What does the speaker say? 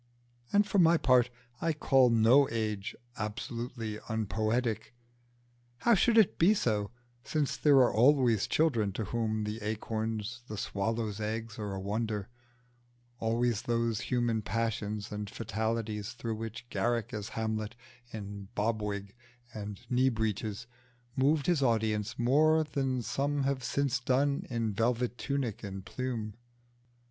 And for my part I can call no age absolutely unpoetic: how should it be so, since there are always children to whom the acorns and the swallow's eggs are a wonder, always those human passions and fatalities through which Garrick as Hamlet in bob wig and knee breeches moved his audience more than some have since done in velvet tunic and plume?